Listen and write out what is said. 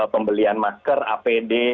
pembelian masker apd